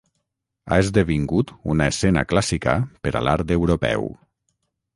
Ha esdevingut una escena clàssica per a l'art europeu.